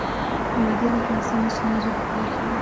وادي د افغانستان د اجتماعي جوړښت برخه ده.